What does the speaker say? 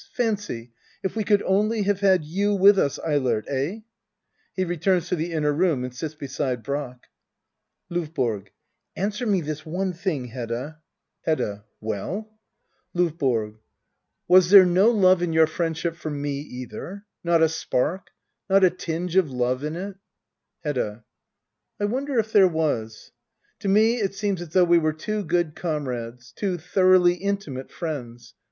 Fancy — if we could only have had you with us, Eilert ! Eh ? [He returns to the inner room and sits beside Brack. LOVBORO. Answer me this one thing, Hedda X o Digitized by Google 98 HEDDA OABLER. [aCT II. Hedda. WeU? LOVBORO. Was there no love in your friendship for me either? Not a spark — not a tinge of love in it? Hedda. I wonder if there was ? To me it seems as though we were two good comrades — two thoroughly intimate friends.